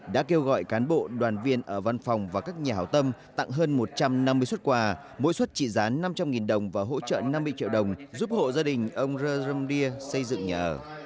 đã kêu gọi cán bộ đoàn viên ở văn phòng và các nhà hảo tâm tặng hơn một trăm năm mươi xuất quà mỗi xuất trị giá năm trăm linh đồng và hỗ trợ năm mươi triệu đồng giúp hộ gia đình ông romea xây dựng nhà ở